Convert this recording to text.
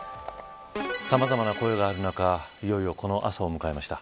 さまざまな声がある中いよいよこの朝を迎えました。